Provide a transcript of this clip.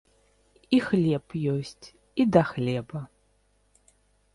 І хлеб ёсць, і да хлеба.